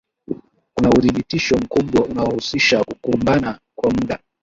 Kuna uthibitisho mkubwa unaohusisha kukumbana kwa muda